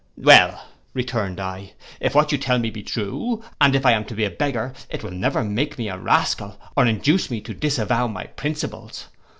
'—'Well,' returned I, 'if what you tell me be true, and if I am to be a beggar, it shall never make me a rascal, or induce me to disavow my principles.